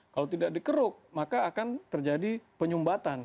kalau tidak dikeruk maka akan terjadi penyumbatan